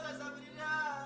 bang hafid sih sembrangan